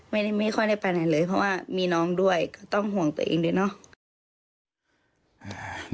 ไม่ค่อยได้ไปไหนเลยเพราะว่ามีน้องด้วยก็ต้องห่วงตัวเองด้วยเนาะ